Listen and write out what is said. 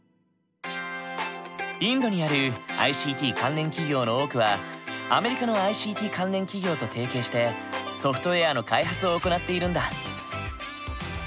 インドにあるＩＣＴ関連企業の多くはアメリカのＩＣＴ関連企業と提携してソフトウェアの開発を行っているんだ。